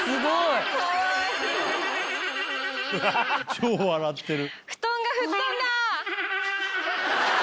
超笑ってる。